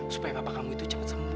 supaya papa kamu itu cepet sembuh